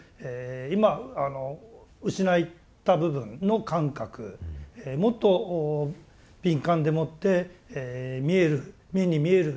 今失った部分の感覚もっと敏感でもって見える目に見える目に見えない